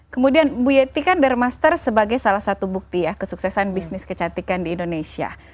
kemudian bu yeti kan dermaster sebagai salah satu bukti ya kesuksesan bisnis kecantikan di indonesia